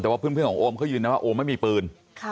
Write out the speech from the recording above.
แต่ว่าเพื่อนของโอมเขายืนนะว่าโอมไม่มีปืน